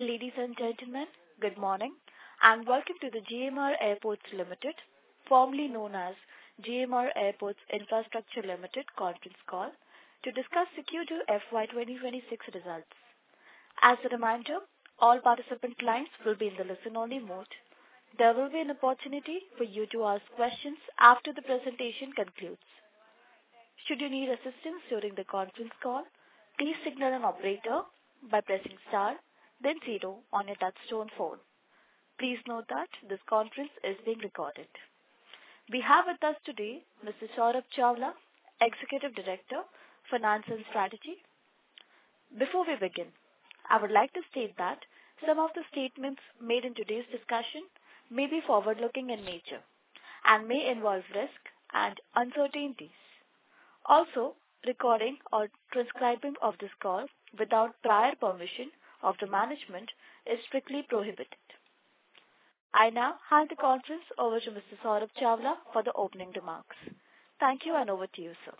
Ladies and gentlemen, good morning and welcome to the GMR Airports Limited, formerly known as GMR Airports Infrastructure Limited, conference call to discuss the Q2 FY 2026 results. As a reminder, all participant lines will be in the listen-only mode. There will be an opportunity for you to ask questions after the presentation concludes. Should you need assistance during the conference call, please signal an operator by pressing star, then zero on your touch-tone phone. Please note that this conference is being recorded. We have with us today Mr. Saurabh Chawla, Executive Director, Finance and Strategy. Before we begin, I would like to state that some of the statements made in today's discussion may be forward-looking in nature and may involve risk and uncertainties. Also, recording or transcribing of this call without prior permission of the management is strictly prohibited. I now hand the conference over to Mr. Saurabh Chawla for the opening remarks. Thank you, and over to you, sir.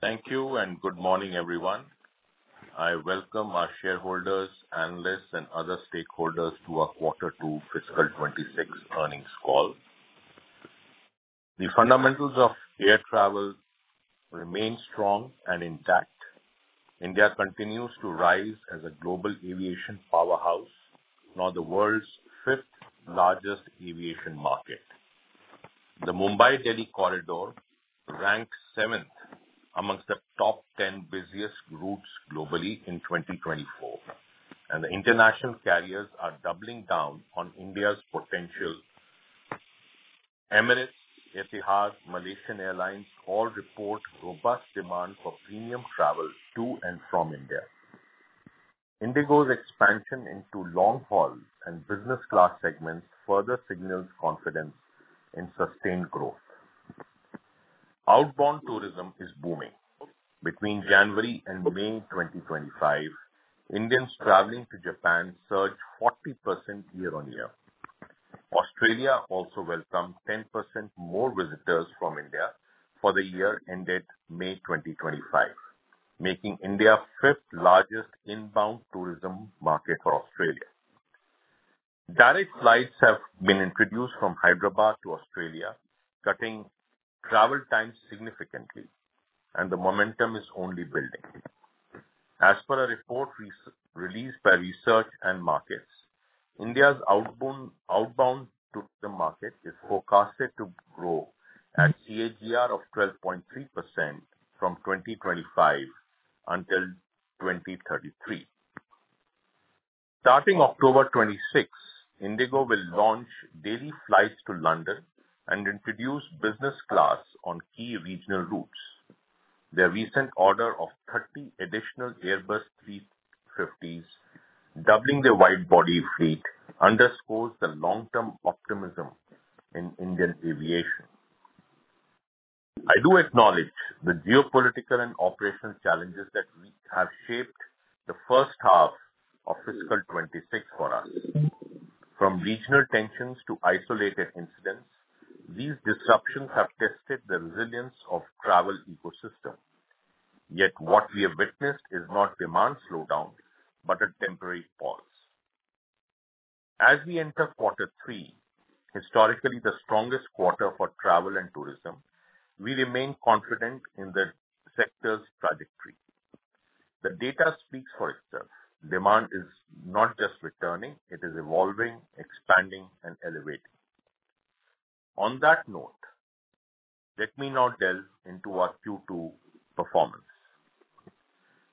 Thank you, and good morning, everyone. I welcome our shareholders, analysts, and other stakeholders to our Q2 fiscal 2026 earnings call. The fundamentals of air travel remain strong and intact. India continues to rise as a global aviation powerhouse, now the world's fifth-largest aviation market. The Mumbai-Delhi corridor ranked seventh amongst the top 10 busiest routes globally in 2024, and the international carriers are doubling down on India's potential. Emirates, Etihad, Malaysian Airlines all report robust demand for premium travel to and from India. IndiGo's expansion into long-haul and business-class segments further signals confidence in sustained growth. Outbound tourism is booming. Between January and May 2025, Indians traveling to Japan surged 40% year-on-year. Australia also welcomed 10% more visitors from India for the year ended May 2025, making India the fifth-largest inbound tourism market for Australia. Direct flights have been introduced from Hyderabad to Australia, cutting travel times significantly, and the momentum is only building. As per a report released by Research and Markets, India's outbound tourism market is forecasted to grow at a CAGR of 12.3% from 2025 until 2033. Starting October 26, IndiGo will launch daily flights to London and introduce business class on key regional routes. Their recent order of 30 additional Airbus A350s, doubling their wide-body fleet, underscores the long-term optimism in Indian aviation. I do acknowledge the geopolitical and operational challenges that have shaped the first half of fiscal 2026 for us. From regional tensions to isolated incidents, these disruptions have tested the resilience of the travel ecosystem. Yet what we have witnessed is not demand slowdown but a temporary pause. As we enter Q3, historically the strongest quarter for travel and tourism, we remain confident in the sector's trajectory. The data speaks for itself. Demand is not just returning; it is evolving, expanding, and elevating. On that note, let me now delve into our Q2 performance.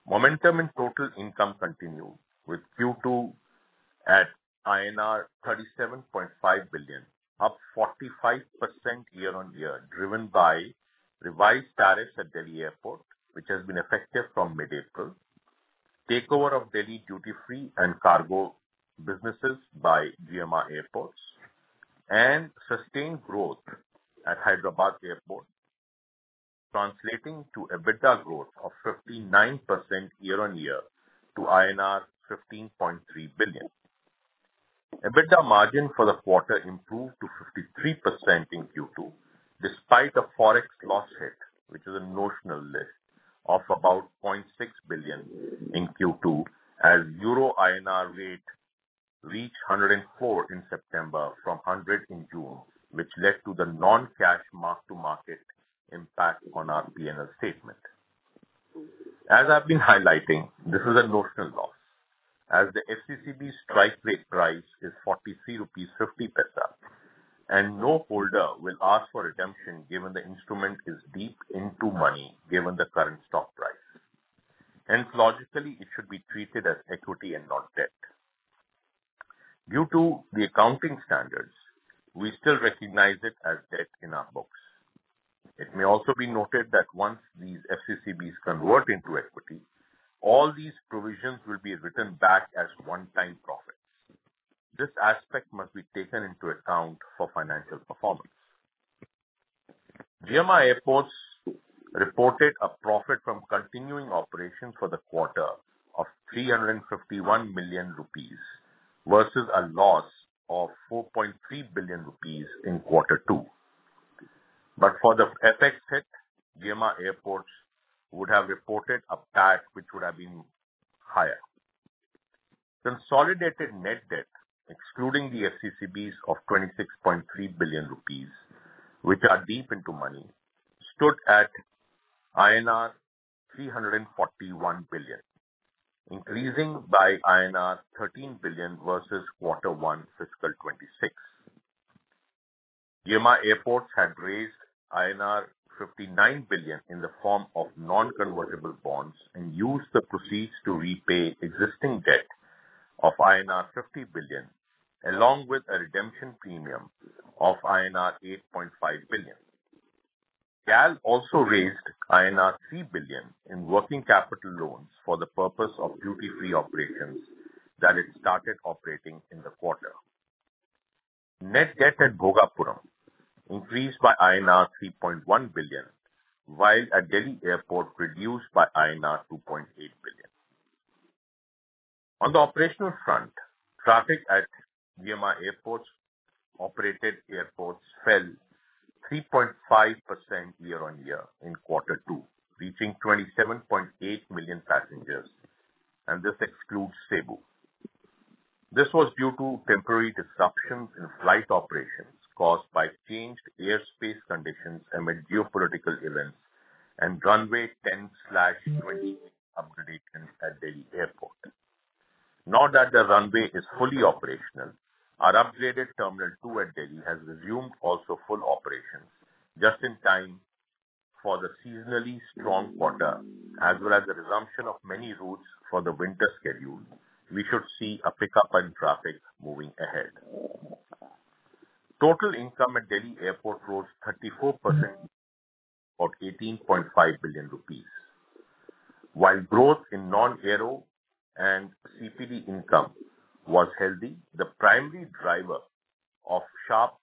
Momentum in total income continued, with Q2 at INR 37.5 billion, up 45% year-on-year, driven by revised tariffs at Delhi Airport, which have been effective from mid-April, takeover of Delhi duty-free and cargo businesses by GMR Airports, and sustained growth at Hyderabad Airport, translating to EBITDA growth of 59% year-on-year to INR 15.3 billion. EBITDA margin for the quarter improved to 53% in Q2, despite a forex loss hit, which is a notional loss of about 0.6 billion in Q2, as EUR/INR rate reached 104 in September from 100 in June, which led to the non-cash mark-to-market impact on our P&L statement. As I've been highlighting, this is a notional loss, as the FCCB strike rate price is 43.50 rupees, and no holder will ask for redemption given the instrument is deep into money given the current stock price. Hence, logically, it should be treated as equity and not debt. Due to the accounting standards, we still recognize it as debt in our books. It may also be noted that once these FCCBs convert into equity, all these provisions will be written back as one-time profits. This aspect must be taken into account for financial performance. GMR Airports reported a profit from continuing operations for the quarter of 351 million rupees versus a loss of 4.3 billion rupees in Q2. If not for the FX hit, GMR Airports would have reported a PAT which would have been higher. Consolidated net debt, excluding the FCCBs of 26.3 billion rupees, which are deep into money, stood at INR 341 billion, increasing by INR 13 billion versus Q1 fiscal 2026. GMR Airports had raised INR 59 billion in the form of non-convertible bonds and used the proceeds to repay existing debt of INR 50 billion, along with a redemption premium of INR 8.5 billion. GMR Airports Limited also raised INR 3 billion in working capital loans for the purpose of duty-free operations that it started operating in the quarter. Net debt at Bhogapuram increased by INR 3.1 billion, while at Delhi Airport, reduced by INR 2.8 billion. On the operational front, traffic at GMR Airports operated airports fell 3.5% year-on-year in Q2, reaching 27.8 million passengers, and this excludes Cebu. This was due to temporary disruptions in flight operations caused by changed airspace conditions amid geopolitical events and runway 10/28 upgradation at Delhi Airport. Now that the runway is fully operational, our upgraded Terminal 2 at Delhi has resumed also full operations just in time for the seasonally strong quarter, as well as the resumption of many routes for the winter schedule. We should see a pickup in traffic moving ahead. Total income at Delhi Airport rose 34% at 18.5 billion rupees. While growth in non-aero and CPD income was healthy, the primary driver of sharp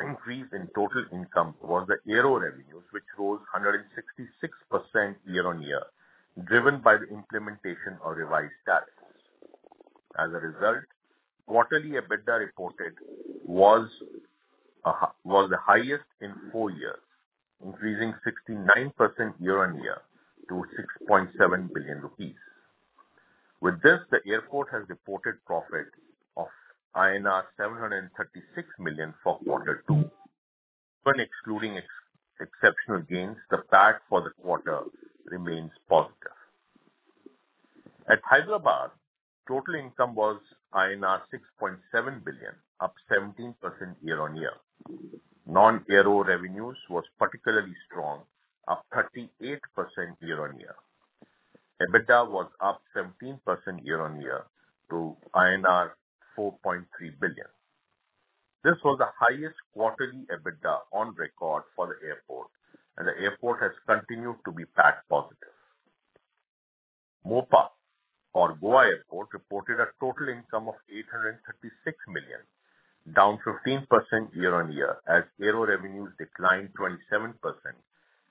increase in total income was the aero revenues, which rose 166% year-on-year, driven by the implementation of revised tariffs. As a result, quarterly EBITDA reported was the highest in four years, increasing 69% year-on-year to 6.7 billion rupees. With this, the airport has reported profit of INR 736 million for Q2. Even excluding exceptional gains, the PAT for the quarter remains positive. At Hyderabad, total income was INR 6.7 billion, up 17% year-on-year. Non-aero revenues were particularly strong, up 38% year-on-year. EBITDA was up 17% year-on-year to INR 4.3 billion. This was the highest quarterly EBITDA on record for the airport, and the airport has continued to be PAT positive. Mopa, or Goa Airport, reported a total income of 836 million, down 15% year-on-year, as aero revenues declined 27%,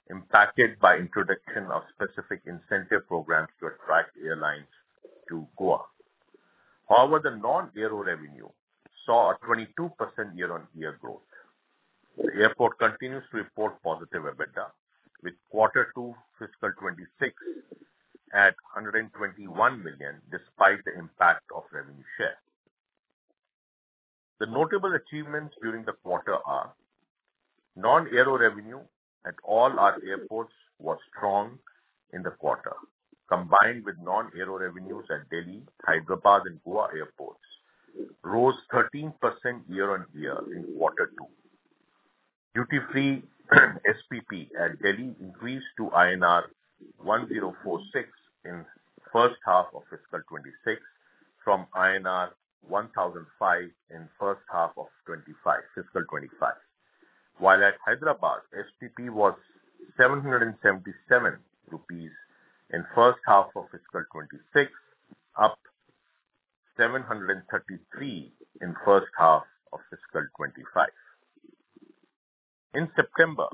impacted by the introduction of specific incentive programs to attract airlines to Goa. However, the non-aero revenue saw a 22% year-on-year growth. The airport continues to report positive EBITDA, with Q2 fiscal 2026 at 121 million, despite the impact of revenue share. The notable achievements during the quarter are non-aero revenue at all our airports was strong in the quarter, combined with non-aero revenues at Delhi, Hyderabad, and Goa Airports, rose 13% year-on-year in Q2. Duty-free SPP at Delhi increased to INR 1,046 in the first half of fiscal 2026 from INR 1,005 in the first half of fiscal 2025. While at Hyderabad, SPP was 777 rupees in the first half of fiscal 2026, up from INR 733 in the first half of fiscal 2025. In September,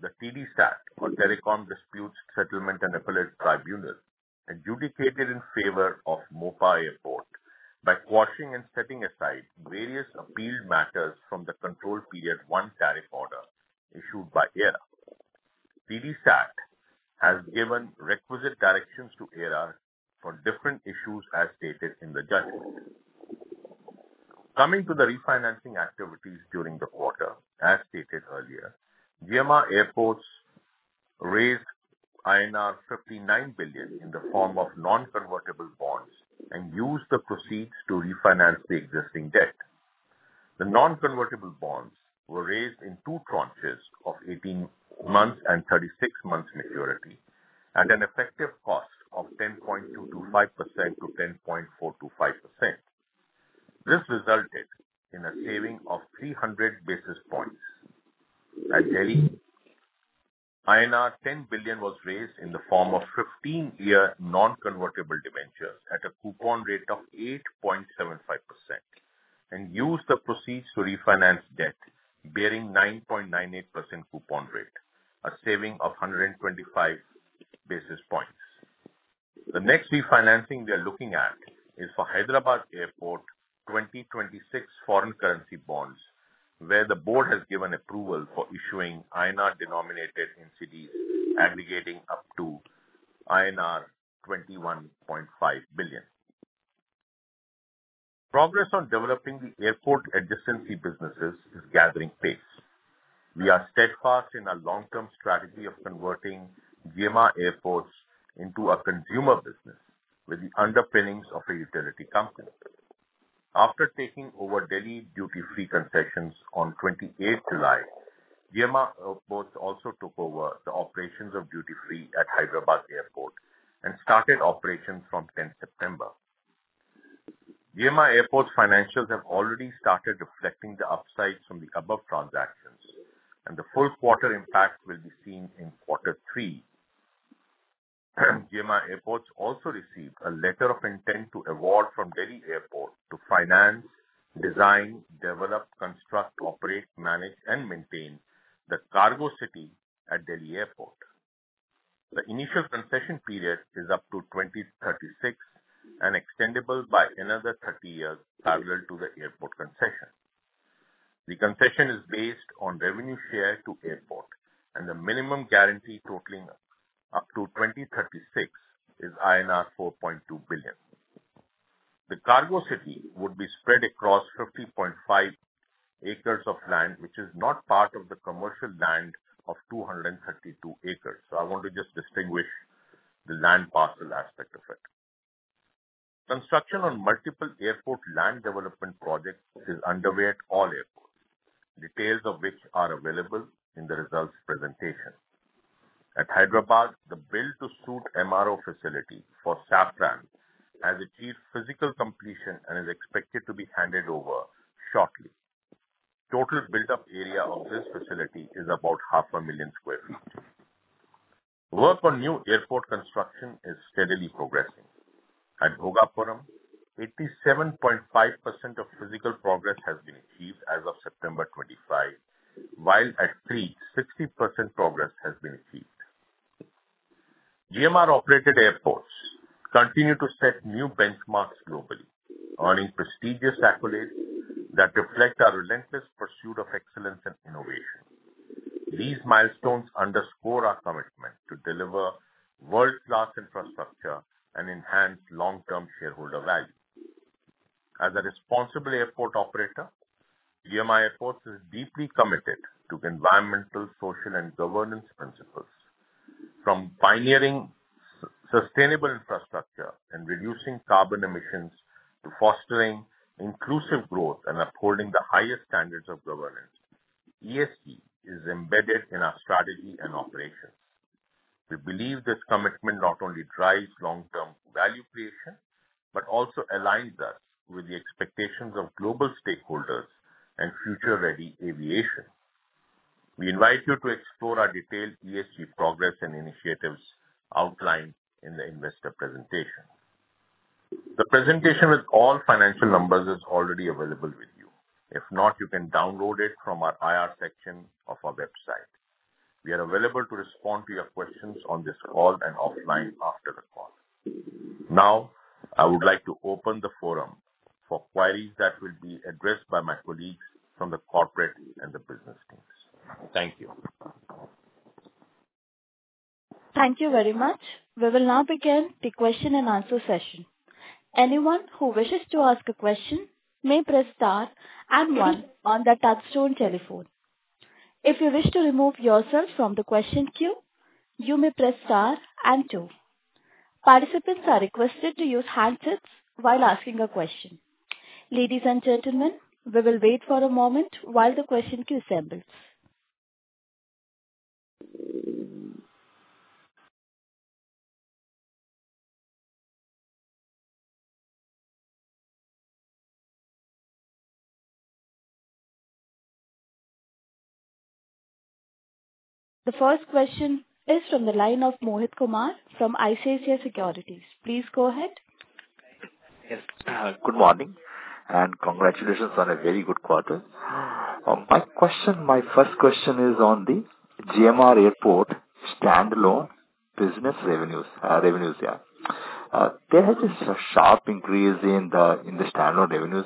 the TDSAT, or Telecom Dispute Settlement and Appellate Tribunal, adjudicated in favor of Mopa Airport by quashing and setting aside various appealed matters from the Control Period I tariff order issued by AERA. TDSAT has given requisite directions to AERA for different issues as stated in the judgment. Coming to the refinancing activities during the quarter, as stated earlier, GMR Airports raised INR 59 billion in the form of non-convertible bonds and used the proceeds to refinance the existing debt. The non-convertible bonds were raised in two tranches of 18 months and 36 months maturity at an effective cost of 10.225%-10.425%. This resulted in a saving of 300 basis points. At Delhi, INR 10 billion was raised in the form of 15-year non-convertible debentures at a coupon rate of 8.75% and used the proceeds to refinance debt bearing 9.98% coupon rate, a saving of 125 basis points. The next refinancing we are looking at is for Hyderabad Airport 2026 foreign currency bonds, where the board has given approval for issuing INR-denominated NCDs aggregating up to INR 21.5 billion. Progress on developing the airport adjacency businesses is gathering pace. We are steadfast in our long-term strategy of converting GMR Airports into a consumer business with the underpinnings of a utility company. After taking over Delhi duty-free concessions on 28 July, GMR Airports also took over the operations of duty-free at Hyderabad Airport and started operations from 10 September. GMR Airports' financials have already started reflecting the upsides from the above transactions, and the full quarter impact will be seen in Q3. GMR Airports also received a letter of intent to award from Delhi Airport to finance, design, develop, construct, operate, manage, and maintain the cargo city at Delhi Airport. The initial concession period is up to 2036 and extendable by another 30 years parallel to the airport concession. The concession is based on revenue share to airport, and the minimum guarantee totaling up to 2036 is INR 4.2 billion. The cargo city would be spread across 50.5 acres of land, which is not part of the commercial land of 232 acres. I want to just distinguish the land parcel aspect of it. Construction on multiple airport land development projects is underway at all airports, details of which are available in the results presentation. At Hyderabad, the build-to-suit MRO facility for Safran has achieved physical completion and is expected to be handed over shortly. Total built-up area of this facility is about 500,000 sq ft. Work on new airport construction is steadily progressing. At Bhogapuram, 87.5% of physical progress has been achieved as of September 25, while at CREE, 60% progress has been achieved. GMR-operated airports continue to set new benchmarks globally, earning prestigious accolades that reflect our relentless pursuit of excellence and innovation. These milestones underscore our commitment to deliver world-class infrastructure and enhance long-term shareholder value. As a responsible airport operator, GMR Airports is deeply committed to environmental, social, and governance principles. From pioneering sustainable infrastructure and reducing carbon emissions to fostering inclusive growth and upholding the highest standards of governance, ESG is embedded in our strategy and operations. We believe this commitment not only drives long-term value creation but also aligns us with the expectations of global stakeholders and future-ready aviation. We invite you to explore our detailed ESG progress and initiatives outlined in the investor presentation. The presentation with all financial numbers is already available with you. If not, you can download it from our IR section of our website. We are available to respond to your questions on this call and offline after the call. Now, I would like to open the forum for queries that will be addressed by my colleagues from the corporate and the business teams. Thank you. Thank you very much. We will now begin the question and answer session. Anyone who wishes to ask a question may press star and one on the touchstone telephone. If you wish to remove yourself from the question queue, you may press star and two. Participants are requested to use handsets while asking a question. Ladies and gentlemen, we will wait for a moment while the question queue assembles. The first question is from the line of Mohit Kumar from ICICI Securities. Please go ahead. Yes. Good morning and congratulations on a very good quarter. My first question is on the GMR Airports standalone business revenues. There has been a sharp increase in the standalone revenues.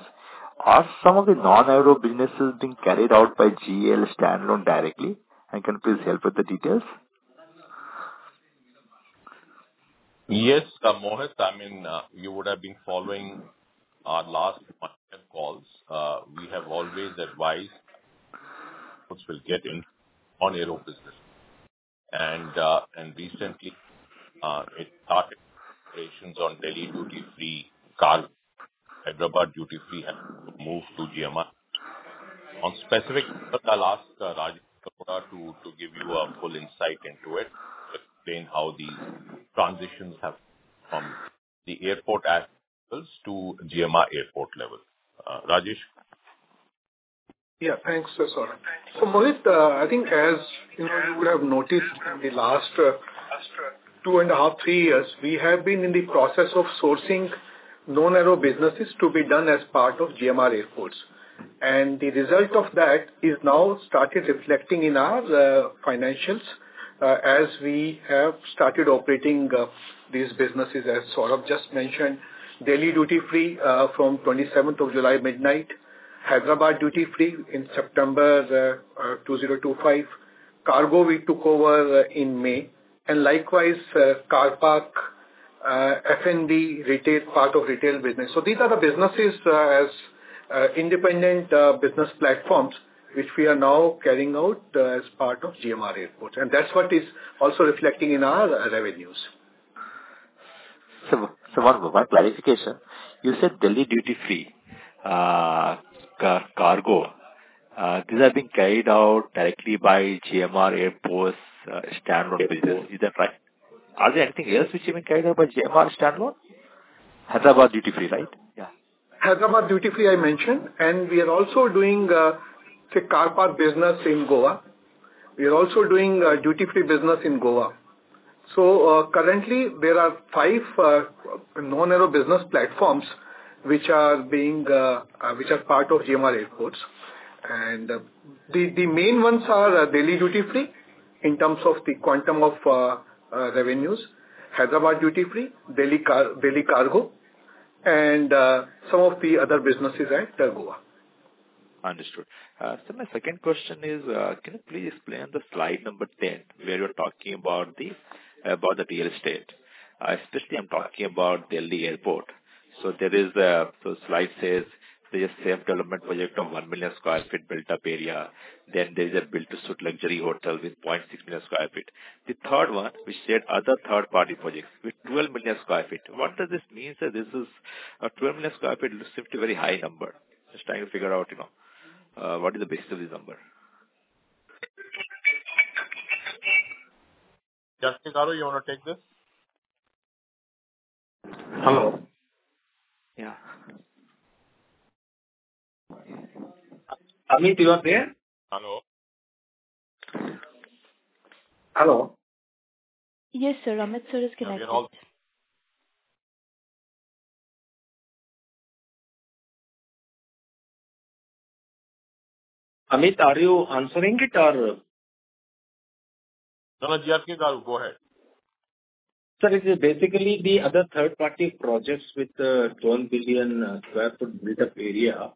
Are some of the non-aero businesses being carried out by GAL standalone directly? Can you please help with the details? Yes, Mohit. I mean, you would have been following our last monthly calls. We have always advised that companies will get into non-aero business. Recently, it started operations on Delhi duty-free cargo. Hyderabad duty-free has moved to GMR. On specifics, I'll ask Rajesh Kapoor to give you a full insight into it, explain how the transitions have gone from the airport at levels to GMR airport level. Rajesh? Yeah. Thanks, Siraran. So Mohit, I think as you would have noticed in the last two and a half, three years, we have been in the process of sourcing non-aero businesses to be done as part of GMR Airports. The result of that is now started reflecting in our financials as we have started operating these businesses, as Saurabh just mentioned, Delhi duty-free from 27th of July midnight, Hyderabad duty-free in September 2025, cargo we took over in May, and likewise, Carpark F&B retail part of retail business. These are the businesses as independent business platforms which we are now carrying out as part of GMR Airports. That is what is also reflecting in our revenues. Siraran, one clarification. You said Delhi duty-free cargo, these are being carried out directly by GMR Airports standalone business. Is that right? Are there anything else which is being carried out by GMR standalone? Hyderabad duty-free, right? Yeah. Hyderabad duty-free, I mentioned. We are also doing the carpark business in Goa. We are also doing duty-free business in Goa. Currently, there are five non-aero business platforms which are part of GMR Airports. The main ones are Delhi duty-free in terms of the quantum of revenues, Hyderabad duty-free, Delhi cargo, and some of the other businesses at Goa. Understood. My second question is, can you please explain the slide number 10 where you're talking about the real estate? Especially, I'm talking about Delhi Airport. The slide says there is a development project of 1 million sq ft built-up area. Then there is a build-to-suit luxury hotel with 0.6 million sq ft. The third one, which said other third-party projects with 12 million sq ft. What does this mean? This 12 million sq ft seems to be a very high number. Just trying to figure out what is the basis of this number. GRK Gharu, you want to take this? Hello. Yeah. Amit, you are there? Hello. Hello. Yes, Saurabh. Amit Sir is connected. Amit, are you answering it or? No, no. GRK Gharu, go ahead. Sir, it is basically the other third-party projects with the 12 million sq ft built-up area.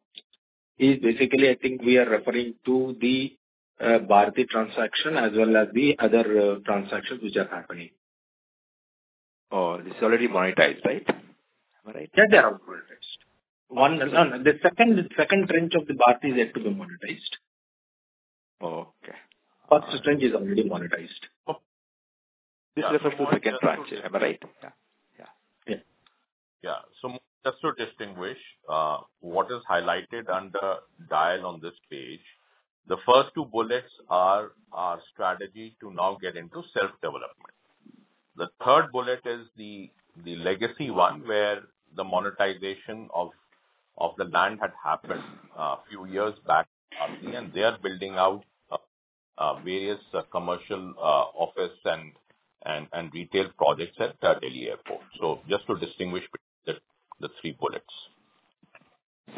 Basically, I think we are referring to the Bharati transaction as well as the other transactions which are happening. Oh, this is already monetized, right? Am I right? Yeah, they are monetized. The second tranche of the Bharti is yet to be monetized. Okay. First tranche is already monetized. This refers to the second tranche. Am I right? Yeah. Yeah. Yeah. Just to distinguish what is highlighted under DIAL on this page, the first two bullets are our strategy to now get into self-development. The third bullet is the legacy one where the monetization of the land had happened a few years back, and they are building out various commercial office and retail projects at Delhi Airport. Just to distinguish between the three bullets.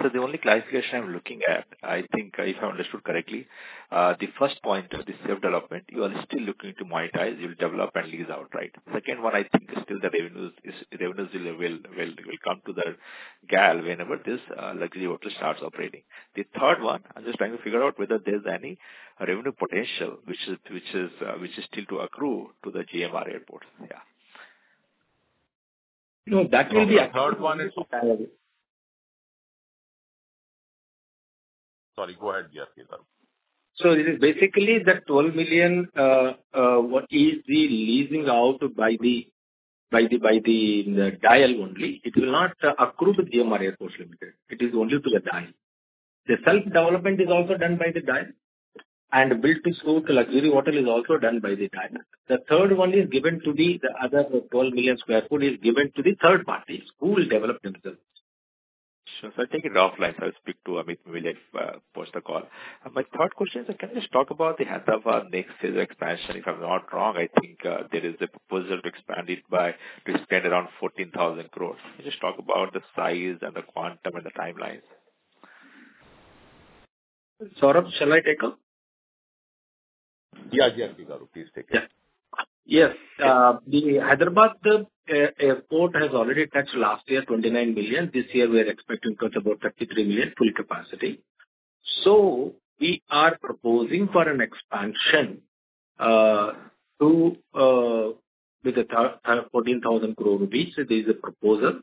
The only clarification I'm looking at, I think if I understood correctly, the first point, the self-development, you are still looking to monetize, you'll develop and lease out, right? The second one, I think, is still the revenues will come to GAL whenever this luxury hotel starts operating. The third one, I'm just trying to figure out whether there's any revenue potential which is still to accrue to GMR Airports. Yeah. No, that will be a third one as well. Sorry, go ahead, GRK Gharu. It is basically that 12 million is the leasing out by the DIAL only. It will not accrue to GMR Airports Limited. It is only to the DIAL. The self-development is also done by the DIAL, and the build-to-suit luxury hotel is also done by the DIAL. The third one is given to the other 12 million sq ft is given to the third parties who will develop themselves. Sure. I'll take it offline. I'll speak to Amit when we post the call. My third question is, can you just talk about the Hyderabad next phase of expansion? If I'm not wrong, I think there is a proposal to expand it by around 14,000 crore. Can you just talk about the size and the quantum and the timelines? Saurabh, shall I take up? Yeah. GRK Gharu, please take it. Yes. The Hyderabad Airport has already touched last year 29 million. This year, we are expecting to touch about 33 million full capacity. We are proposing for an expansion with 14,000 crore rupees. There is a proposal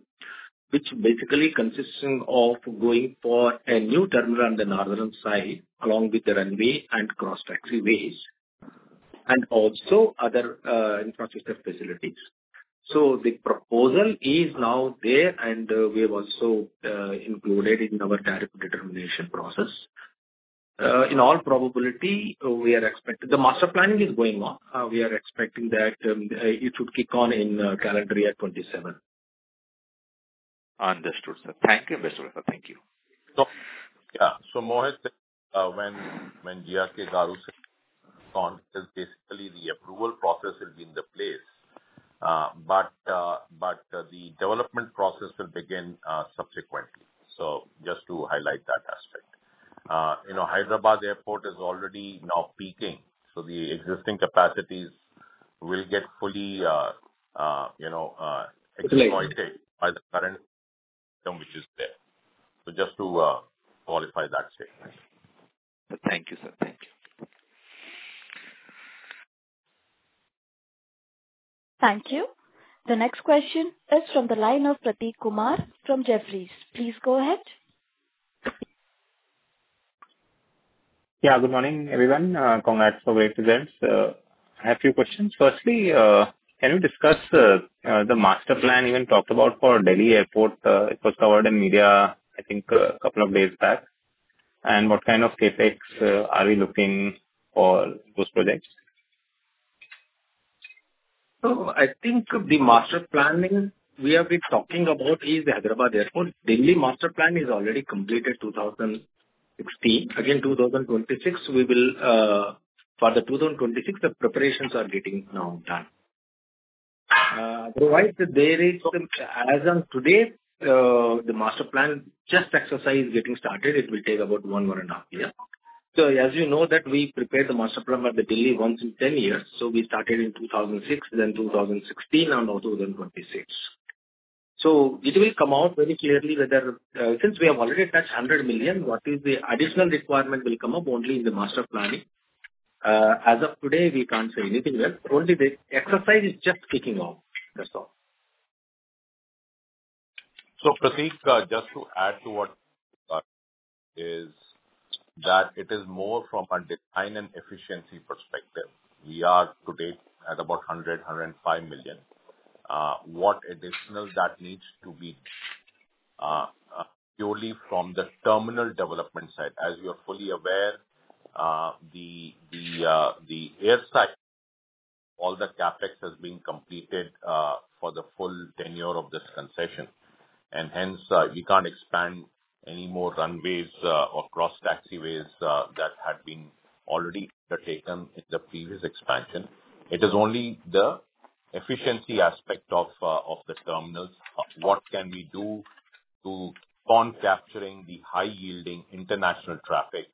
which basically consists of going for a new terminal on the northern side along with the runway and cross-taxiways and also other infrastructure facilities. The proposal is now there, and we have also included it in our tariff determination process. In all probability, we are expecting the master planning is going on. We are expecting that it should kick on in calendar year 2027. Understood, sir. Thank you, Mr. Gharu. Thank you. Mohit, when GRK Gharu is on, basically, the approval process will be in place, but the development process will begin subsequently. Just to highlight that aspect. Hyderabad Airport is already now peaking, so the existing capacities will get fully exploited by the current system which is there. Just to qualify that statement. Thank you, sir. Thank you. Thank you. The next question is from the line of Prateek Kumar from Jefferies. Please go ahead. Yeah. Good morning, everyone. Congrats for being present. I have a few questions. Firstly, can you discuss the master plan you talked about for Delhi Airport? It was covered in media, I think, a couple of days back. And what kind of CapEx are we looking for those projects? I think the master planning we have been talking about is the Hyderabad Airport. Delhi master plan is already completed 2016. Again, 2026, we will for the 2026, the preparations are getting now done. Otherwise, as of today, the master plan just exercise getting started. It will take about one, one and a half years. As you know that we prepare the master plan for Delhi once in 10 years. We started in 2006, then 2016, and also 2026. It will come out very clearly whether since we have already touched 100 million, what is the additional requirement will come up only in the master planning. As of today, we can't say anything yet. Only the exercise is just kicking off, that's all. Prateek, just to add to what you said, it is more from a design and efficiency perspective. We are today at about 100-105 million. What additional that needs to be purely from the terminal development side. As you are fully aware, the air side, all the CAPEX has been completed for the full tenure of this concession. Hence, we cannot expand any more runways or cross-taxiways that had been already undertaken in the previous expansion. It is only the efficiency aspect of the terminals. What can we do to fund capturing the high-yielding international traffic?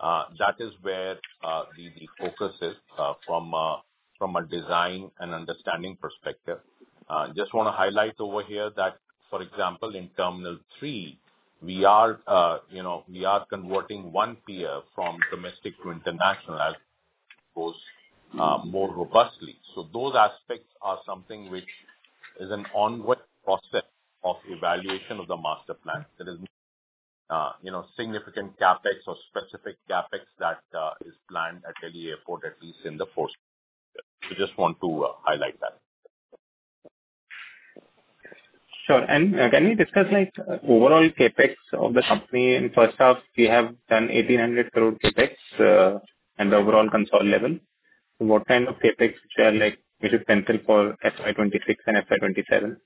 That is where the focus is from a design and understanding perspective. Just want to highlight over here that, for example, in terminal three, we are converting one pier from domestic to international as it goes more robustly. Those aspects are something which is an ongoing process of evaluation of the master plan. There is significant CAPEX or specific CAPEX that is planned at Delhi Airport, at least in the first. We just want to highlight that. Sure. Can you discuss overall CapEx of the company? First off, we have done 1,800 crore CapEx at the overall console level. What kind of CapEx is central for FY 2026 and FY 2027?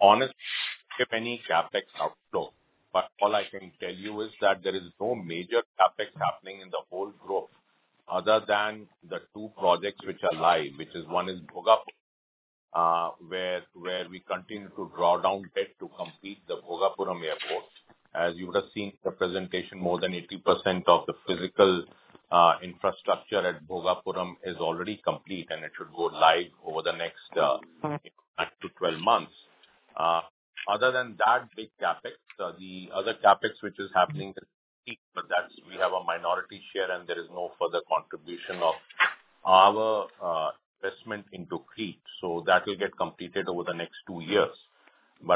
Honestly, we have any CAPEX outflow. All I can tell you is that there is no major CAPEX happening in the whole growth other than the two projects which are live, which is one is Bhogapuram, where we continue to draw down debt to complete the Bhogapuram Airport. As you would have seen in the presentation, more than 80% of the physical infrastructure at Bhogapuram is already complete, and it should go live over the next 8-12 months. Other than that big CAPEX, the other CAPEX which is happening is CREET, but we have a minority share, and there is no further contribution of our investment into CREET. That will get completed over the next two years.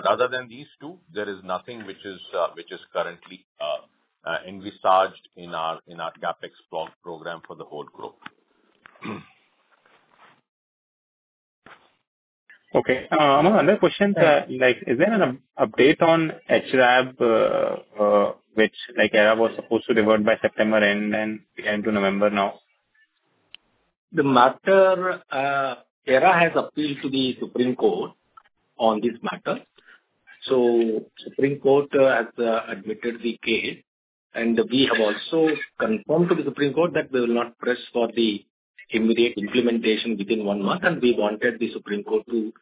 Other than these two, there is nothing which is currently envisaged in our CAPEX program for the whole group. Okay. Another question, is there an update on HRAB, which AERA was supposed to divert by September end and began to November now? The matter, AERA has appealed to the Supreme Court on this matter. Supreme Court has admitted the case, and we have also confirmed to the Supreme Court that we will not press for the immediate implementation within one month, and we wanted the Supreme Court to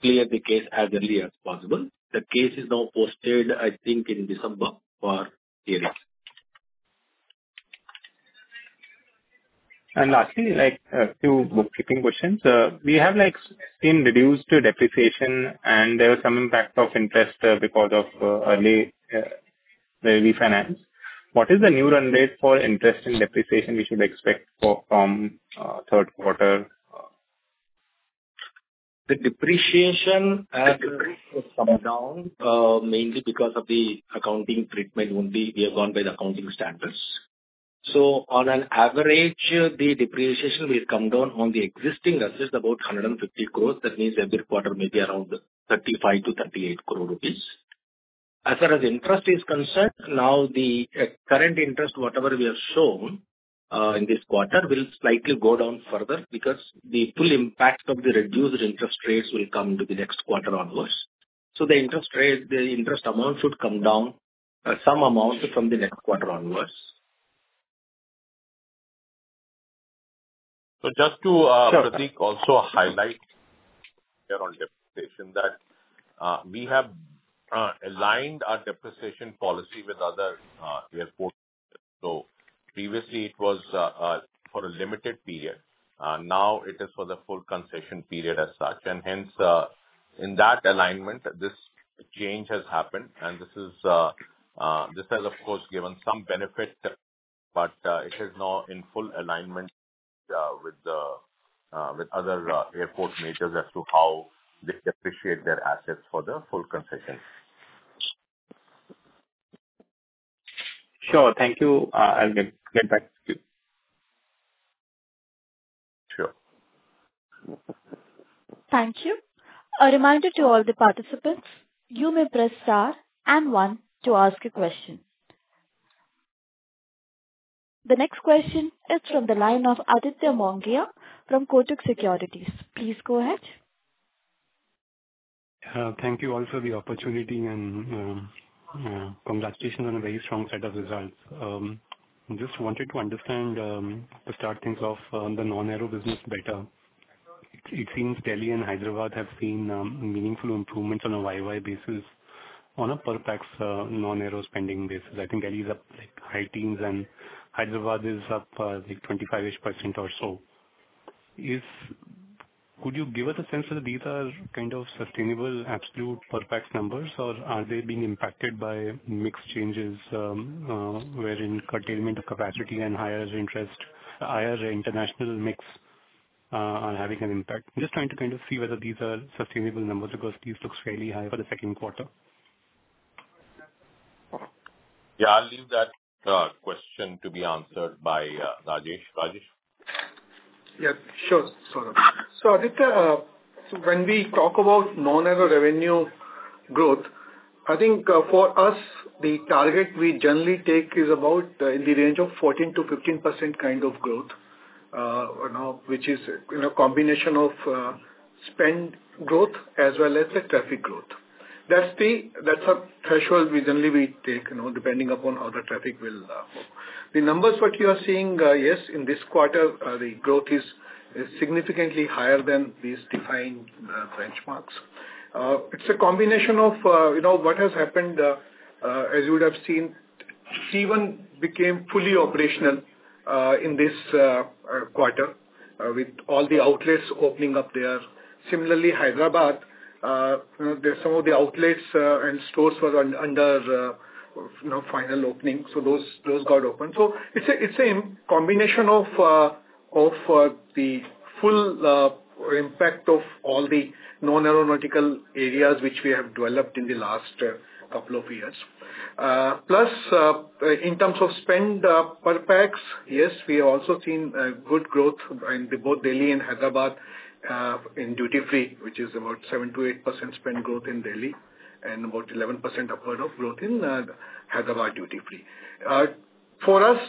clear the case as early as possible. The case is now posted, I think, in December for hearing. Lastly, a few bookkeeping questions. We have seen reduced depreciation, and there was some impact of interest because of early refinance. What is the new run rate for interest and depreciation we should expect from third quarter? The depreciation has come down mainly because of the accounting treatment only. We have gone by the accounting standards. On average, the depreciation will come down on the existing assets about 150 crore. That means every quarter maybe around 35-38 crore rupees. As far as interest is concerned, now the current interest, whatever we have shown in this quarter, will slightly go down further because the full impact of the reduced interest rates will come to the next quarter onwards. The interest amount should come down some amount from the next quarter onwards. Just to also highlight here on depreciation that we have aligned our depreciation policy with other airports. Previously, it was for a limited period. Now, it is for the full concession period as such. In that alignment, this change has happened, and this has, of course, given some benefit, but it is now in full alignment with other airport majors as to how they depreciate their assets for the full concession. Sure. Thank you. I'll get back to you. Sure. Thank you. A reminder to all the participants, you may press star and one to ask a question. The next question is from the line of Aditya Mongia from Kotak Securities. Please go ahead. Thank you all for the opportunity and congratulations on a very strong set of results. Just wanted to understand to start things off on the non-aero business better. It seems Delhi and Hyderabad have seen meaningful improvements on a year-on-year basis on a per-pack non-aero spending basis. I think Delhi is up like high teens, and Hyderabad is up like 25% or so. Could you give us a sense of these are kind of sustainable absolute per-pack numbers, or are they being impacted by mix changes wherein curtailment of capacity and higher interest, higher international mix are having an impact? Just trying to kind of see whether these are sustainable numbers because these look fairly high for the second quarter. Yeah. I'll leave that question to be answered by Rajesh. Rajesh? Yeah. Sure. So Aditya, when we talk about non-aero revenue growth, I think for us, the target we generally take is about in the range of 14-15% kind of growth, which is a combination of spend growth as well as the traffic growth. That is a threshold we generally take depending upon how the traffic will move. The numbers that you are seeing, yes, in this quarter, the growth is significantly higher than these defined benchmarks. It is a combination of what has happened. As you would have seen, T1 became fully operational in this quarter with all the outlets opening up there. Similarly, Hyderabad, some of the outlets and stores were under final opening. Those got open. It is a combination of the full impact of all the non-aeronautical areas which we have developed in the last couple of years. Plus, in terms of spend per-packs, yes, we have also seen good growth in both Delhi and Hyderabad in duty-free, which is about 7%-8% spend growth in Delhi and about 11% upward of growth in Hyderabad duty-free. For us,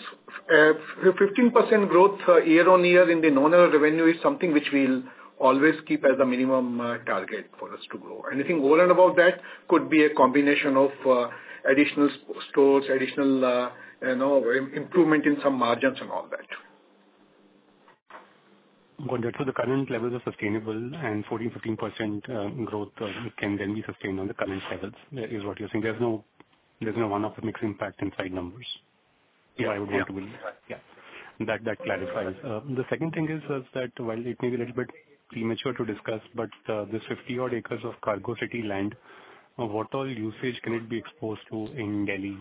15% growth year on year in the non-aero revenue is something which we will always keep as a minimum target for us to grow. Anything all in about that could be a combination of additional stores, additional improvement in some margins and all that. Going back to the current levels of sustainable and 14-15% growth can then be sustained on the current levels is what you're saying. There's no one-off mixed impact inside numbers. Yeah, I would want to believe. Yeah. That clarifies. The second thing is that while it may be a little bit premature to discuss, but the 50-odd acres of Cargo City land, what all usage can it be exposed to in Delhi?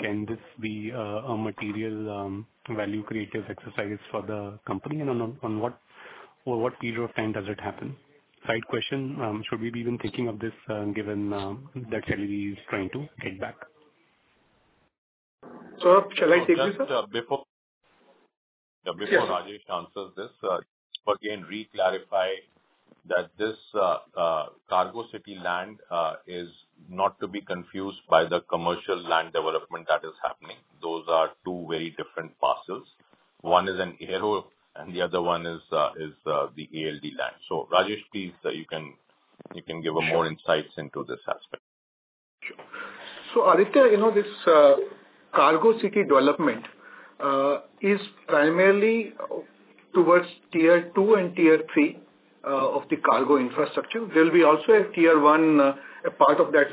Can this be a material value creative exercise for the company, and on what period of time does it happen? Side question, should we be even thinking of this given that Delhi is trying to get back? Sharath, shall I take you, sir? Yeah. Before Rajesh answers this, just again re-clarify that this Cargo City land is not to be confused by the commercial land development that is happening. Those are two very different parcels. One is an aero, and the other one is the ALD land. So Rajesh, please, you can give more insights into this aspect. Sure. Aditya, this Cargo City development is primarily towards tier two and tier three of the cargo infrastructure. There will also be a tier one part of that.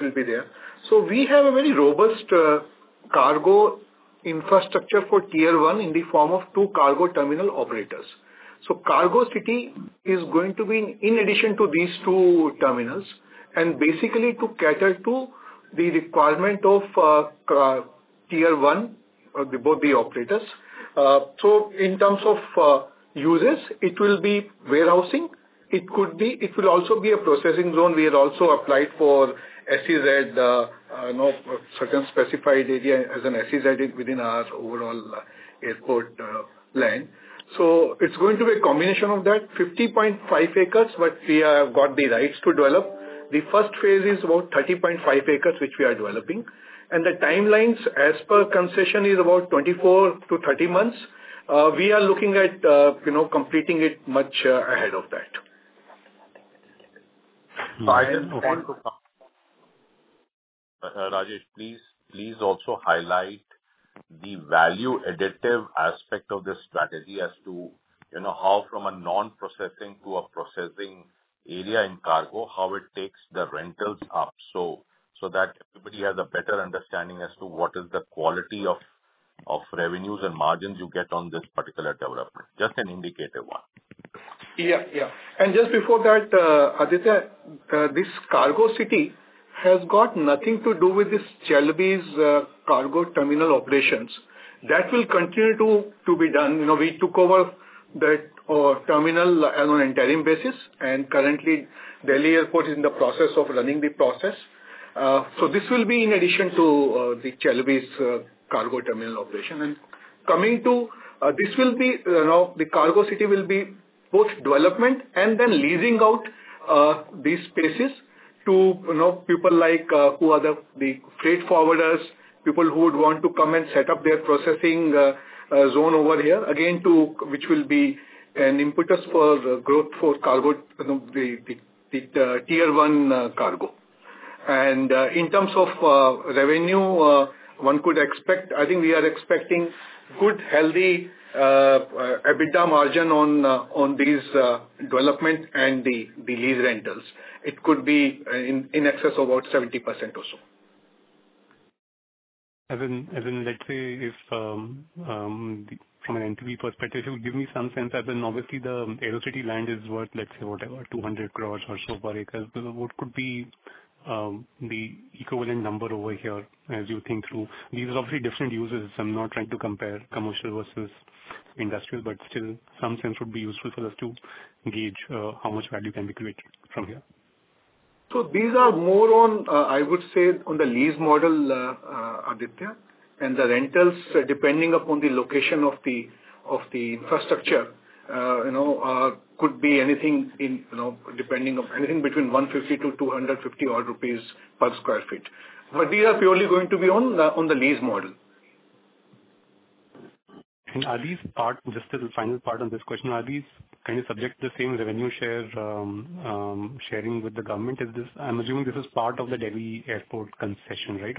We have a very robust cargo infrastructure for tier one in the form of two cargo terminal operators. Cargo City is going to be in addition to these two terminals, and basically to cater to the requirement of tier one for both the operators. In terms of users, it will be warehousing. It will also be a processing zone. We have also applied for SEZ, a certain specified area as an SEZ within our overall airport land. It is going to be a combination of that, 50.5 acres, for which we have got the rights to develop. The first phase is about 30.5 acres, which we are developing. The timelines, as per concession, is about 24-30 months. We are looking at completing it much ahead of that. I just want to comment. Rajesh, please also highlight the value additive aspect of this strategy as to how from a non-processing to a processing area in Cargo, how it takes the rentals up so that everybody has a better understanding as to what is the quality of revenues and margins you get on this particular development. Just an indicator one. Yeah. Yeah. Just before that, Aditya, this Cargo City has got nothing to do with this Cheltenham's cargo terminal operations. That will continue to be done. We took over that terminal on an interim basis, and currently, Delhi Airport is in the process of running the process. This will be in addition to the Cheltenham's cargo terminal operation. Coming to this, the Cargo City will be both development and then leasing out these spaces to people like who are the freight forwarders, people who would want to come and set up their processing zone over here, again, which will be an impetus for growth for the tier one cargo. In terms of revenue, one could expect, I think we are expecting good, healthy EBITDA margin on these developments and the lease rentals. It could be in excess of about 70% or so. As in, let's say if from an entity perspective, if you would give me some sense as in obviously the AeroCity land is worth, let's say, whatever, 2.00 billion or so per acre, what could be the equivalent number over here as you think through? These are obviously different uses. I'm not trying to compare commercial versus industrial, but still, some sense would be useful for us to gauge how much value can be created from here. These are more on, I would say, on the lease model, Aditya, and the rentals, depending upon the location of the infrastructure, could be anything between 150-250 rupees per sq ft. These are purely going to be on the lease model. Are these part, just as a final part on this question, are these kind of subject to the same revenue sharing with the government? I'm assuming this is part of the Delhi Airport concession, right?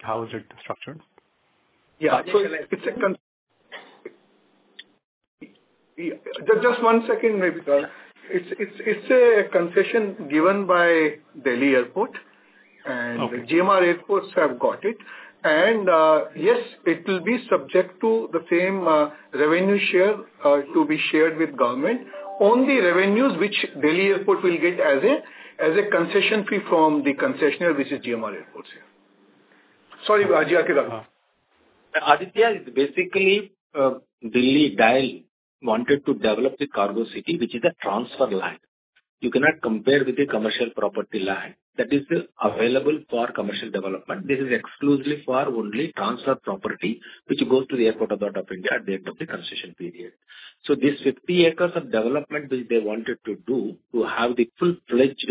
How is it structured? Yeah. Just one second, maybe. It's a concession given by Delhi Airport, and GMR Airports have got it. Yes, it will be subject to the same revenue share to be shared with government. Only revenues which Delhi Airport will get as a concession fee from the concessionaire, which is GMR Airports. Sorry, Aditya. Aditya, basically, Delhi DIAL wanted to develop the Cargo City, which is a transfer land. You cannot compare with a commercial property land that is available for commercial development. This is exclusively for only transfer property, which goes to the Airport of the Heart of India at the end of the concession period. So these 50 acres of development which they wanted to do to have the full-fledged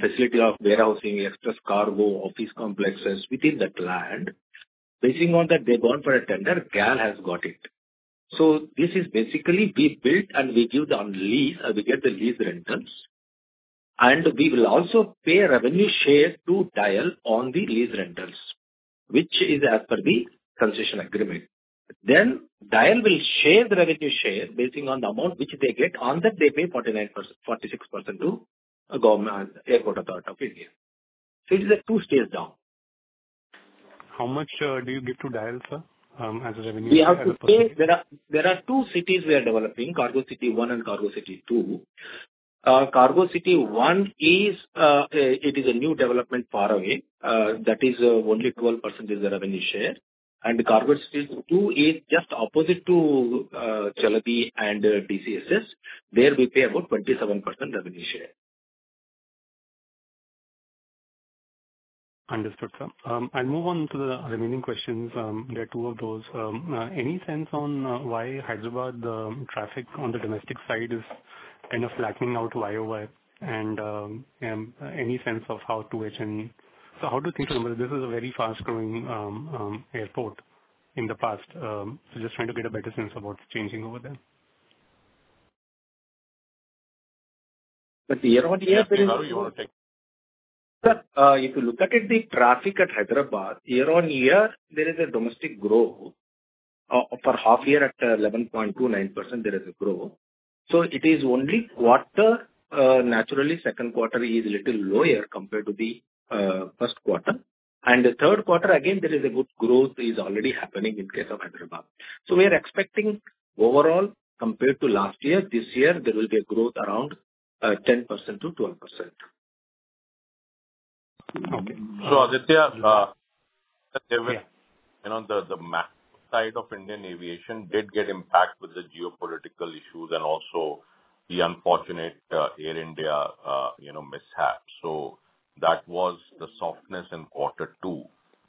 facility of warehousing, express cargo, office complexes within that land, basing on that they've gone for a tender, DIAL has got it. This is basically we build and we give the lease or we get the lease rentals, and we will also pay a revenue share to DIAL on the lease rentals, which is as per the concession agreement. Dial will share the revenue share based on the amount which they get. On that, they pay 46% to Airport Authority of India. It is a two-stage down. How much do you give to DIAL, sir, as a revenue share? We have to pay. There are two cities we are developing, Cargo City 1 and Cargo City 2. Cargo City 1 is a new development far away. That is only 12% is the revenue share. Cargo City 2 is just opposite to Cheltenham's and DCSS. There we pay about 27% revenue share. Understood, sir. I'll move on to the remaining questions. There are two of those. Any sense on why Hyderabad traffic on the domestic side is kind of flattening out to year-on-year? And any sense of how to handle? So how to think about this is a very fast-growing airport in the past. Just trying to get a better sense of what's changing over there. Year on year, there is a growth. If you look at the traffic at Hyderabad, year on year, there is a domestic growth. For half year, at 11.29%, there is a growth. It is only quarter. Naturally, second quarter is a little lower compared to the first quarter. The third quarter, again, there is a good growth is already happening in case of Hyderabad. We are expecting overall compared to last year, this year, there will be a growth around 10%-12%. Aditya, the map side of Indian aviation did get impacted with the geopolitical issues and also the unfortunate Air India mishap. That was the softness in quarter two.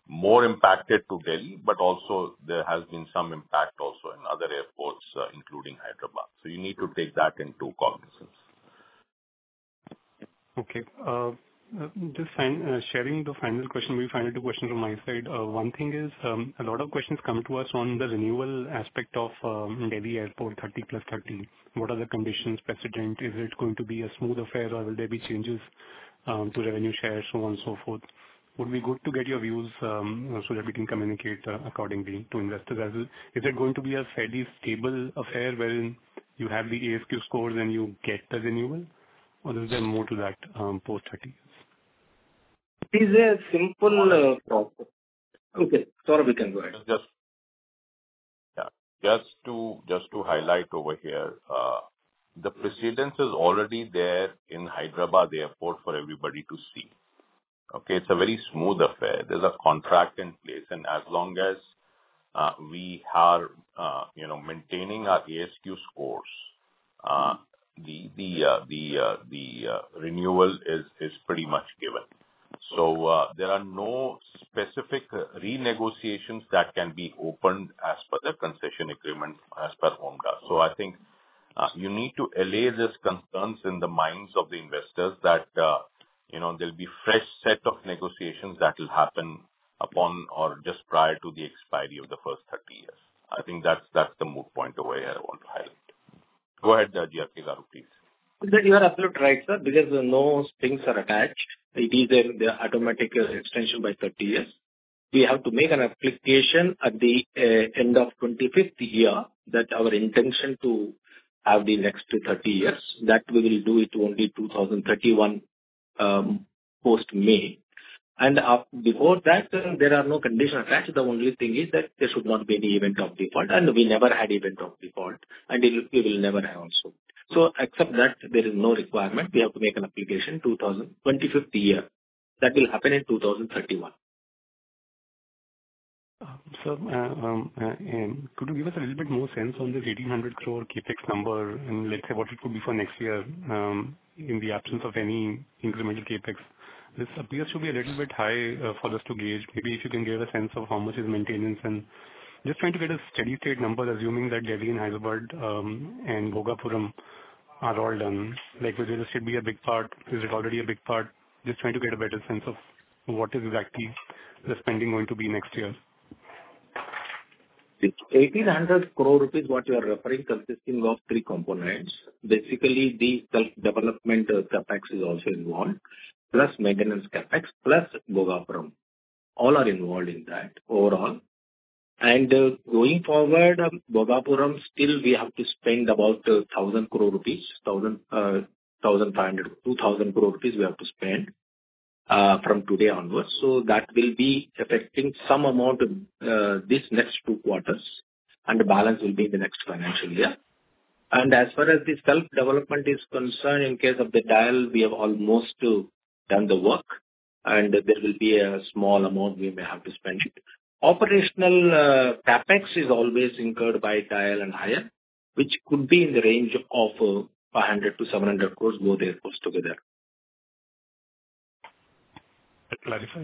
More impacted to Delhi, but also there has been some impact also in other airports, including Hyderabad. You need to take that into cognizance. Okay. Sharing the final question, maybe final two questions from my side. One thing is a lot of questions come to us on the renewal aspect of Delhi Airport 30 plus 30. What are the conditions, precedent? Is it going to be a smooth affair, or will there be changes to revenue shares, so on and so forth? Would be good to get your views so that we can communicate accordingly to investors. Is it going to be a fairly stable affair wherein you have the AFQ scores and you get the renewal, or is there more to that post-30? It is a simple process. Okay. Sorry, we can go ahead. Just to highlight over here, the precedence is already there in Hyderabad Airport for everybody to see. Okay? It's a very smooth affair. There's a contract in place, and as long as we are maintaining our AFQ scores, the renewal is pretty much given. There are no specific renegotiations that can be opened as per the concession agreement, as per OMDA. I think you need to allay these concerns in the minds of the investors that there'll be a fresh set of negotiations that will happen upon or just prior to the expiry of the first 30 years. I think that's the moot point over here I want to highlight. Go ahead, Aditya, please. You are absolutely right, sir, because no strings are attached. It is an automatic extension by 30 years. We have to make an application at the end of the 25th year that our intention to have the next 30 years, that we will do it only 2031 post-May. Before that, there are no conditions attached. The only thing is that there should not be any event of default, and we never had event of default, and we will never have also. Except that, there is no requirement. We have to make an application 25th year. That will happen in 2031. Sir, could you give us a little bit more sense on this 1,800 crore CapEx number and let's say what it could be for next year in the absence of any incremental CapEx? This appears to be a little bit high for us to gauge. Maybe if you can give a sense of how much is maintenance and just trying to get a steady-state number, assuming that Delhi and Hyderabad and Bhogapuram are all done. Like this should be a big part. Is it already a big part? Just trying to get a better sense of what is exactly the spending going to be next year. 1,800 crore rupees, what you are referring to consisting of three components. Basically, the self-development CapEx is also involved, plus maintenance CapEx, plus Bhogapuram. All are involved in that overall. Going forward, Bhogapuram, still we have to spend about 1,000 crore rupees, 1,500 crore, 2,000 crore rupees we have to spend from today onwards. That will be affecting some amount this next two quarters, and the balance will be in the next financial year. As far as the self-development is concerned, in case of the DIAL, we have almost done the work, and there will be a small amount we may have to spend. Operational CapEx is always incurred by DIAL and Hyderabad, which could be in the range of 500-700 crore, both airports together.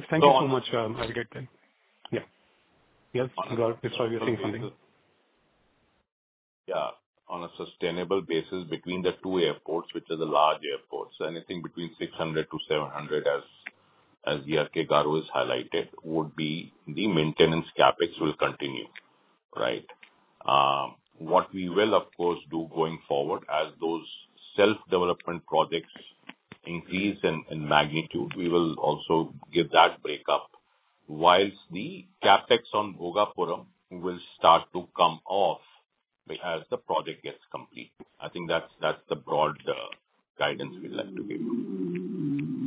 Thank you so much, Aditya. Yeah. Yes, we're seeing something. Yeah. On a sustainable basis between the two airports, which are the large airports, anything between 600-700, as GRK Gharu has highlighted, would be the maintenance CapEx will continue, right? What we will, of course, do going forward as those self-development projects increase in magnitude, we will also give that breakup, whilst the CapEx on Bhogapuram will start to come off as the project gets complete. I think that's the broad guidance we'd like to give.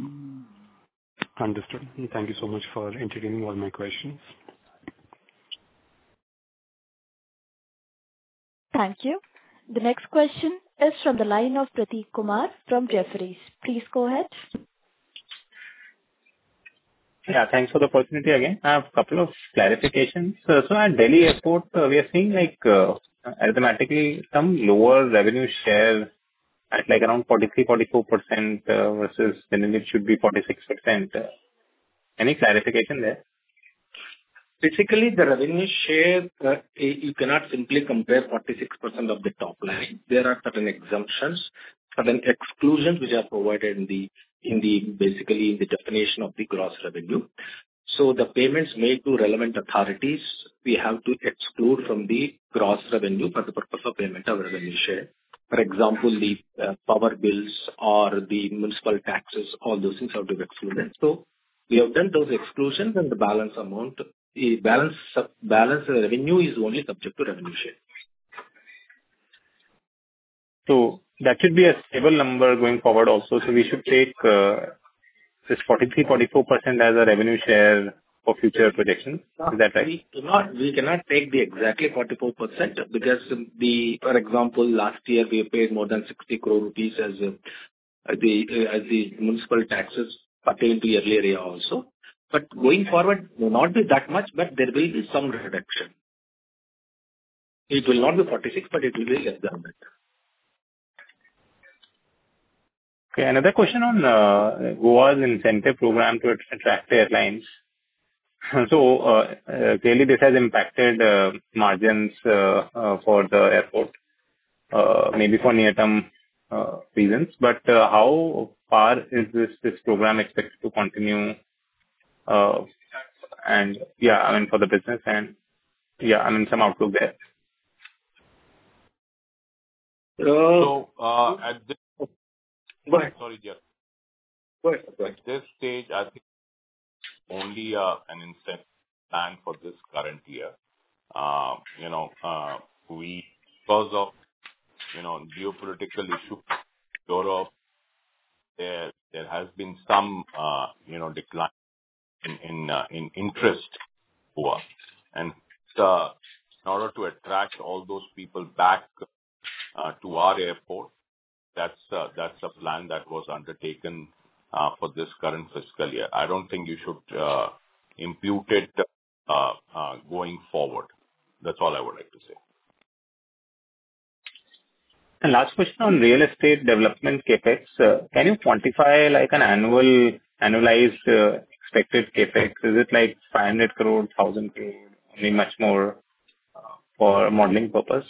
Understood. Thank you so much for entertaining all my questions. Thank you. The next question is from the line of Prateek Kumar from Jefferies. Please go ahead. Yeah. Thanks for the opportunity again. I have a couple of clarifications. At Delhi Airport, we are seeing arithmetically some lower revenue share at around 43-44% versus when it should be 46%. Any clarification there? Basically, the revenue share, you cannot simply compare 46% of the top line. There are certain exemptions, certain exclusions which are provided in basically the definition of the gross revenue. The payments made to relevant authorities, we have to exclude from the gross revenue for the purpose of payment of revenue share. For example, the power bills or the municipal taxes, all those things have to be excluded. We have done those exclusions, and the balance amount, balance revenue is only subject to revenue share. That should be a stable number going forward also. We should take this 43-44% as a revenue share for future projections. Is that right? We cannot take the exactly 44% because, for example, last year we paid more than 60 crore rupees as the municipal taxes pertain to earlier year also. Going forward, it will not be that much, but there will be some reduction. It will not be 46%, but it will be less than that. Okay. Another question on Goa's incentive program to attract airlines. Clearly, this has impacted margins for the airport, maybe for near-term reasons. How far is this program expected to continue? Yeah, I mean, for the business end, yeah, I mean, some outlook there. At this—go ahead, sorry, Jiyar. Go ahead. At this stage, I think only an incentive plan for this current year. Because of geopolitical issues, there has been some decline in interest in Goa. In order to attract all those people back to our airport, that's a plan that was undertaken for this current fiscal year. I don't think you should impute it going forward. That's all I would like to say. Last question on real estate development CapEx. Can you quantify annualized expected CapEx? Is it like 500 crore, 1,000 crore, maybe much more for modeling purpose?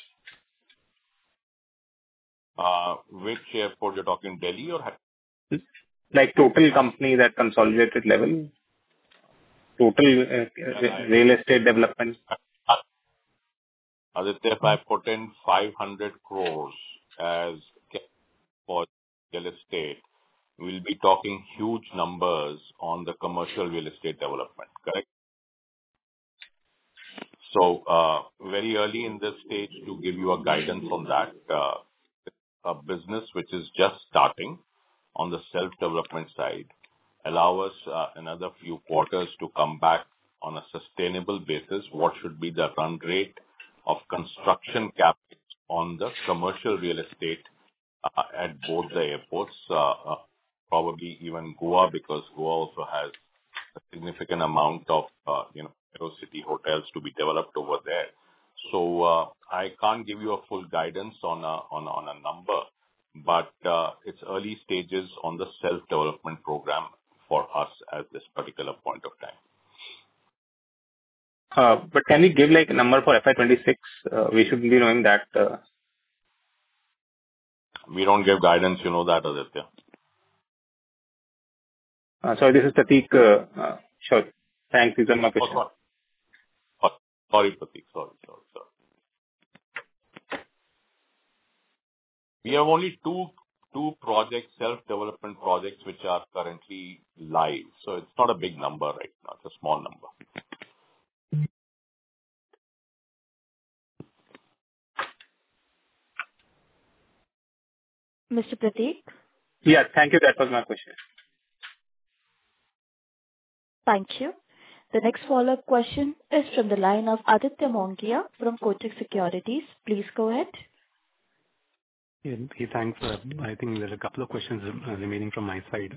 Which airport you're talking, Delhi or? Like total company at consolidated level, total real estate development. Aditya, if I put in 500 crore as CapEx for real estate, we'll be talking huge numbers on the commercial real estate development, correct? Very early in this stage to give you a guidance on that, a business which is just starting on the self-development side, allow us another few quarters to come back on a sustainable basis. What should be the run rate of construction CapEx on the commercial real estate at both the airports, probably even Goa, because Goa also has a significant amount of city hotels to be developed over there. I can't give you a full guidance on a number, but it's early stages on the self-development program for us at this particular point of time. Can you give a number for FI26? We should be knowing that. We don't give guidance, you know that, Aditya. Sorry, this is Prateek. Sure. Thanks. These are my questions. Sorry, Prateek. Sorry, sorry. We have only two projects, self-development projects, which are currently live. So it's not a big number right now. It's a small number. Mr. Prateek? Yeah. Thank you. That was my question. Thank you. The next follow-up question is from the line of Aditya Mongia from Kotak Securities. Please go ahead. Thanks. I think there are a couple of questions remaining from my side.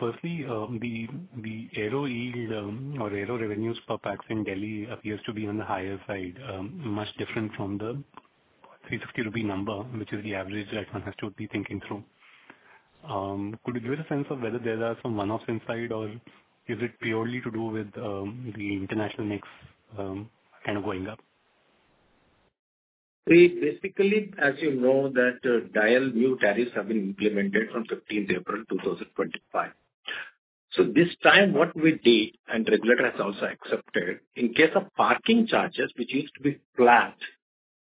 Firstly, the aero yield or aero revenues per pax in Delhi appears to be on the higher side, much different from the 350 rupee number, which is the average that one has to be thinking through. Could you give us a sense of whether there are some one-offs inside, or is it purely to do with the international mix kind of going up? Basically, as you know, that DIAL new tariffs have been implemented from 15th April 2025. This time, what we did, and the regulator has also accepted, in case of parking charges, which used to be flat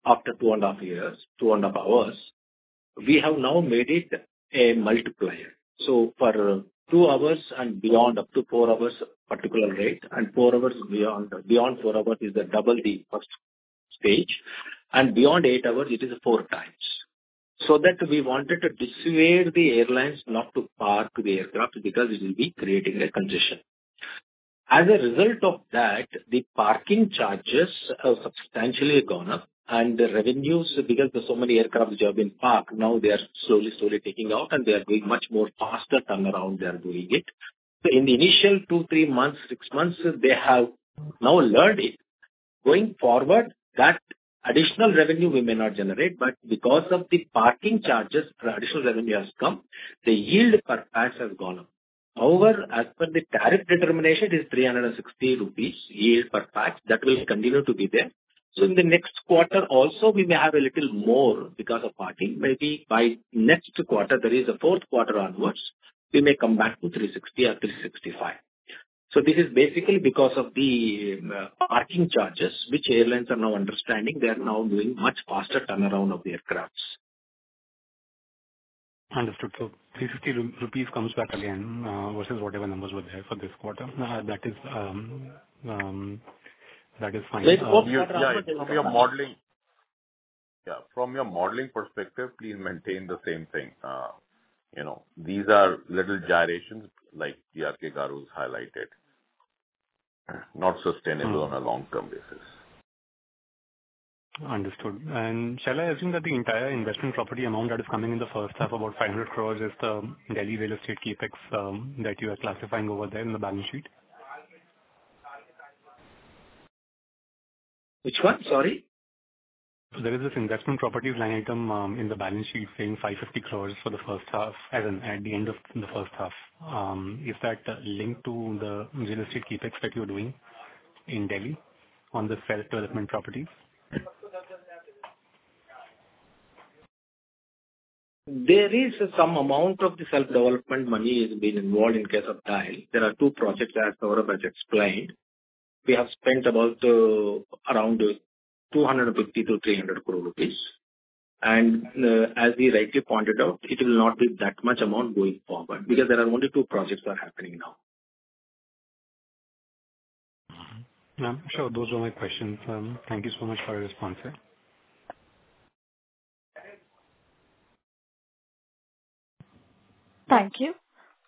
after two and a half hours, we have now made it a multiplier. For two hours and beyond, up to four hours, particular rate, and four hours beyond. Beyond four hours is double the first stage. Beyond eight hours, it is four times. We wanted to dissuade the airlines not to park the aircraft because it will be creating a congestion. As a result of that, the parking charges have substantially gone up, and the revenues, because there are so many aircraft which have been parked, now they are slowly, slowly taking out, and they are doing much more faster turnaround. They are doing it. In the initial two, three months, six months, they have now learned it. Going forward, that additional revenue we may not generate, but because of the parking charges, additional revenue has come, the yield per pax has gone up. However, as per the tariff determination, it is 360 rupees yield per pax. That will continue to be there. In the next quarter, also, we may have a little more because of parking. Maybe by next quarter, that is, fourth quarter onwards, we may come back to 360 or 365. This is basically because of the parking charges, which airlines are now understanding. They are now doing much faster turnaround of the aircraft. Understood. 360 rupees comes back again versus whatever numbers were there for this quarter. That is fine. Yeah. From your modeling perspective, please maintain the same thing. These are little gyrations, like GRK Babu has highlighted, not sustainable on a long-term basis. Understood. Shall I assume that the entire investment property amount that is coming in the first half, about 500 crore, is the Delhi real estate CapEx that you are classifying over there in the balance sheet? Which one? Sorry? There is this investment property line item in the balance sheet saying 550 crore for the first half, at the end of the first half. Is that linked to the real estate CapEx that you're doing in Delhi on the self-development properties? There is some amount of the self-development money has been involved in case of DIAL. There are two projects, as Saurabh explained. We have spent about 250 crore-300 crore rupees. As he rightly pointed out, it will not be that much amount going forward because there are only two projects that are happening now. Sure. Those are my questions. Thank you so much for your response. Thank you.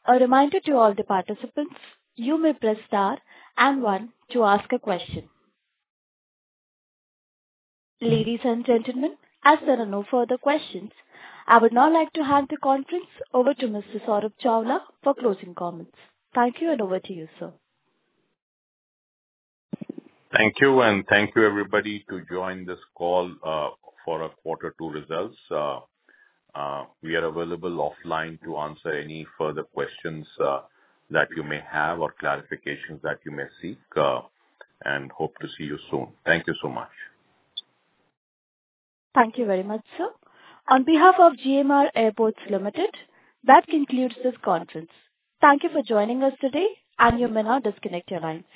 A reminder to all the participants, you may press star and one to ask a question. Ladies and gentlemen, as there are no further questions, I would now like to hand the conference over to Mr. Saurabh Chawla for closing comments. Thank you, and over to you, sir. Thank you, and thank you, everybody, to join this call for a quarter two results. We are available offline to answer any further questions that you may have or clarifications that you may seek, and hope to see you soon. Thank you so much. Thank you very much, sir. On behalf of GMR Airports Limited, that concludes this conference. Thank you for joining us today, and you may now disconnect your lines.